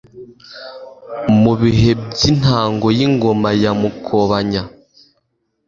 mu bihe by'intango y'ingoma ya Mukobanya,